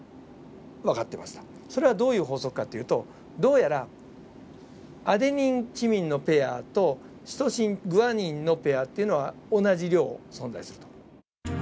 それはどういう法則かというとどうやらアデニンチミンのペアとシトシングアニンのペアっていうのは同じ量存在すると。